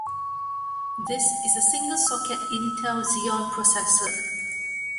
This is a single-socket Intel Xeon processor.